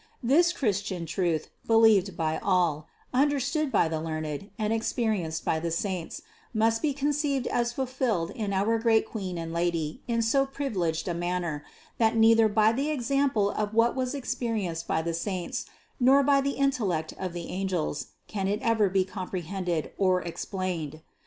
This Christian truth, believed by all, un derstood by the learned, and experienced by the saints, must be conceived as fulfilled in our great Queen and Lady in so privileged a manner, that neither by the example of what was experienced by the saints, nor by the intellect of the angels, can it ever be comprehended or explained.